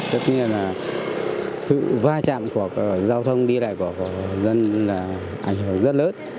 tất nhiên là sự va chạm của giao thông đi lại của dân là ảnh hưởng rất lớn